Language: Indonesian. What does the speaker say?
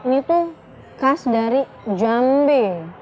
ini tuh khas dari jambe